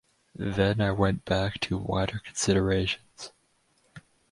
Then I went back to wider considerations.